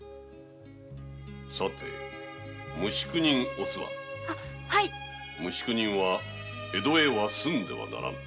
さて無宿人「おすわ」。ははい無宿人は江戸には住んではならぬ。